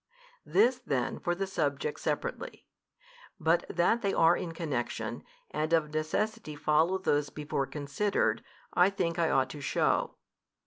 This then for the subjects separately: but that they are in connexion, and of necessity follow those before considered, I think I ought to shew.